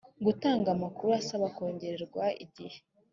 gutanga amakuru asaba kongererwa igihe